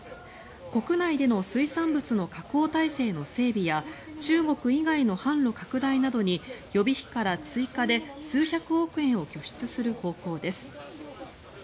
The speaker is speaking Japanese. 国内での水産物の加工体制の整備や中国以外の販路拡大などに予備費から追加で数百億円を拠出する方向です。